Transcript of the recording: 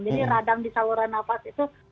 jadi radang di saluran nafas itu